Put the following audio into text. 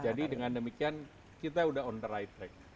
jadi dengan demikian kita sudah on the right track